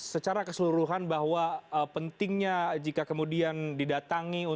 secara keseluruhan bahwa pentingnya jika kemudian didatangi